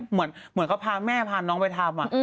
เหมือนเขาพาแม่พาน้องไปทำ